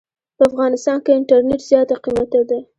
په افغانستان کې انټرنيټ زيات قيمته دي.